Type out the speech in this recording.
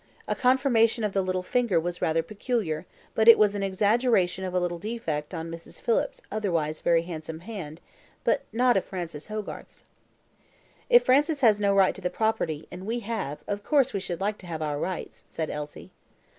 A conformation of the little finger was rather peculiar, but it was an exaggeration of a little defect on Mrs. Phillips's otherwise very handsome hand, but not of Francis Hogarth's. "If Francis has no right to the property, and we have, of course we should like to have our rights," said Elsie.